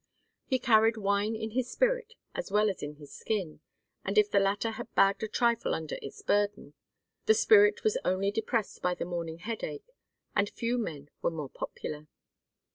He carried wine in his spirit as well as in his skin, and if the latter had bagged a trifle under its burden, the spirit was only depressed by the morning headache, and few men were more popular.